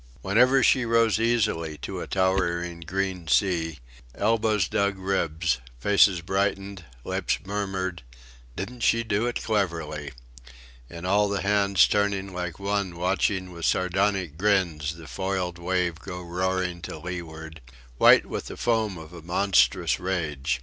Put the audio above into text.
Whenever she rose easily to a towering green sea, elbows dug ribs, faces brightened, lips murmured: "Didn't she do it cleverly," and all the heads turning like one watched with sardonic grins the foiled wave go roaring to leeward, white with the foam of a monstrous rage.